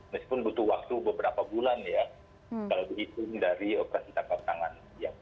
meskipun butuh waktu beberapa bulan ya kalau dihitung dari operasi tangkap tangan